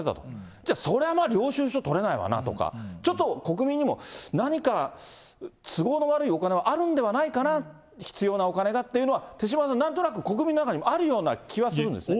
じゃあ、それはまあ領収書とれないわなとか、ちょっと国民にも、何か都合の悪いお金はあるんではないかな、必要なお金だっていうのは、手嶋さん、なんとなく、国民の中にあるような気はするんですけど。